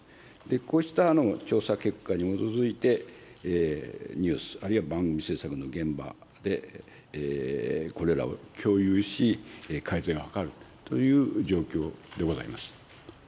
こうした調査結果に基づいて、ニュース、あるいは番組制作の現場でこれらを共有し、改善を図るという状況でございます。